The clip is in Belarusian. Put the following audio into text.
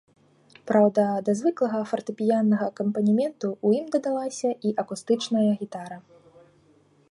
Праўда, да звыклага фартэпіяннага акампанементу ў ім дадалася і акустычная гітара.